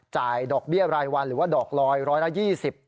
จ่ายดอกเบี้ยรายวันหรือว่าดอกลอย๑๒๐บาท